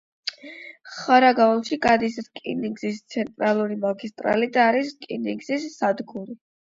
ხარაგაულში გადის რკინიგზის ცენტრალური მაგისტრალი და არის რკინიგზის სადგური.